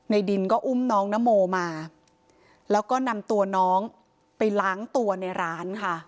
ดินก็อุ้มน้องนโมมาแล้วก็นำตัวน้องไปล้างตัวในร้านค่ะ